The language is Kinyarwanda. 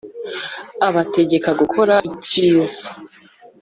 abategeka gukora ikiza.